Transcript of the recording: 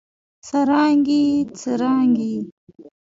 سرانګې ئې ، څرانګې ئې